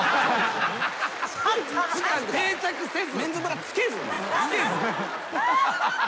定着せず。